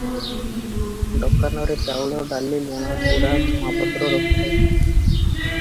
ଦୋକାନରେ ଚାଉଳ, ଡାଲି, ଲୁଣ, ଚୁଡ଼ା, ଧୂଆଁପତ୍ର ରଖିଥାଏ ।